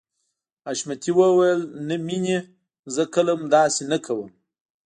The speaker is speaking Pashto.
حشمتي وويل نه مينې زه کله هم داسې نه کوم.